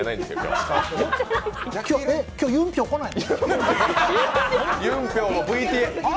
今日、ユン・ピョウ来ないの？